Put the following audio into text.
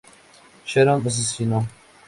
Sharon asesino.